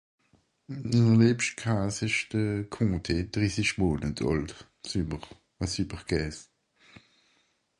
miner liebscht Käs isch de Comté drissisch Monet alt; e super Käs